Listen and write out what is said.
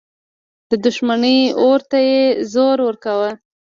د دښمني اور ته یې زور ورکاوه.